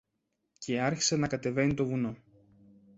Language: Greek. Και άρχισε να κατεβαίνει το βουνό.